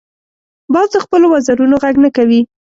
باز د خپلو وزرونو غږ نه کوي